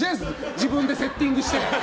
自分でセッティングして。